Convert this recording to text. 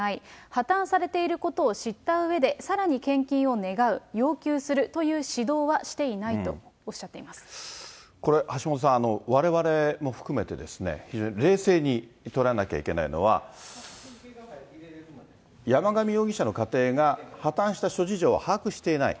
破綻されていることを知ったうえでさらに献金を願う、要求するという指導はしていないとおっしゃこれ、橋下さん、われわれも含めてですね、非常に冷静に捉えなきゃいけないのは、山上容疑者の家庭が破綻した諸事情を把握していない。